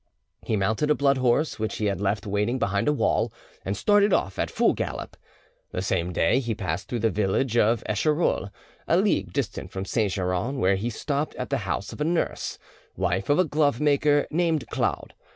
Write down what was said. He mounted a blood horse which he had left waiting behind a wall, and started off at full gallop. The same day he passed through the village of Escherolles, a league distant from Saint Geran, where he stopped at the house of a nurse, wife of a glove maker named Claude.